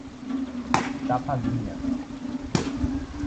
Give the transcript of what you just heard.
Chapadinha